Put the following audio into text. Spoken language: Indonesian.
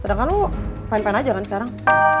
sedangkan lu fine fine aja kan sekarang